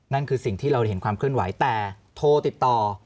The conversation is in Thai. คือสิ่งที่เราเห็นความเคลื่อนไหวแต่โทรติดต่อ